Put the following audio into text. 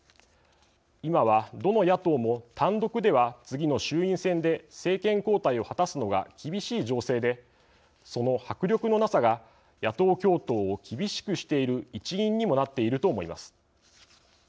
今はどの野党も単独では次の衆院選で政権交代を果たすのが厳しい情勢でその迫力のなさが野党共闘を厳しくしている一因にもなっていると思います。